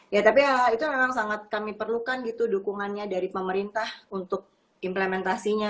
ya tapi itu memang sangat kami perlukan gitu dukungannya dari pemerintah untuk implementasinya